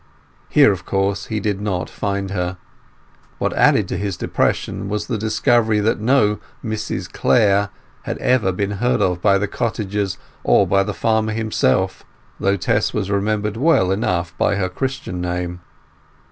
Here, of course, he did not find her; and what added to his depression was the discovery that no "Mrs Clare" had ever been heard of by the cottagers or by the farmer himself, though Tess was remembered well enough by her Christian name.